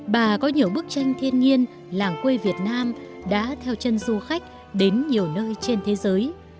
bà có nhiều bức tranh thiên nhiên làng quê việt nam đã theo chân du khách đến nhiều nơi trên thế giới